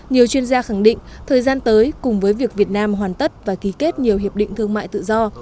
nhiều chuyên gia khẳng định thời gian tới cùng với việc việt nam hoàn tất và ký kết nhiều hiệp định thương mại tự do